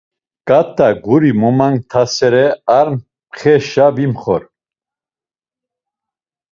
Ǩat̆a guri momanktasere ar mxeşi vimxor.